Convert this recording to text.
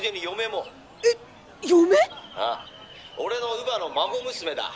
「ああ俺の乳母の孫娘だ。